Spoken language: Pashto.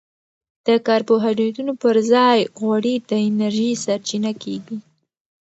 د کاربوهایډریټونو پر ځای غوړي د انرژي سرچینه کېږي.